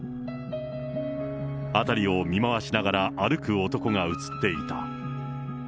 辺りを見回しながら歩く男が写っていた。